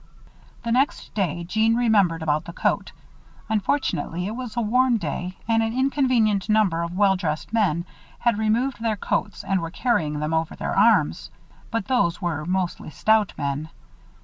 The next day Jeanne remembered about the coat. Unfortunately it was a warm day and an inconvenient number of well dressed men had removed their coats and were carrying them over their arms. But those were mostly stout men.